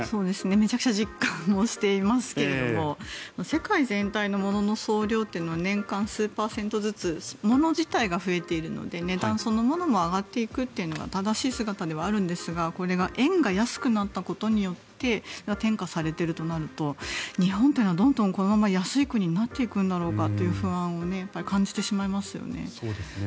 めちゃくちゃ実感もしていますが世界全体のものの総量は年間、数パーセントずつ物自体が増えているので値段そのものも上がっていくというのが正しい姿ではあるんですがこれが円が安くなったことによって添加されているとなると日本はどんどんこのまま安い国になっていくんだろうかという不安を感じてしまいますよね。